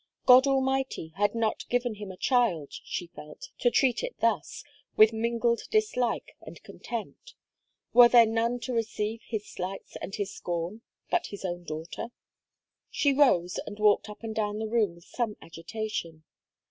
"God Almighty had not given him a child, she felt, to treat it thus, with mingled dislike and contempt Were there none to receive his slights and his scorn, but his own daughter?" She rose, and walked up and down the room with some agitation.